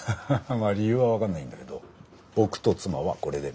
まあ理由は分かんないんだけど僕と妻はこれで結ばれました。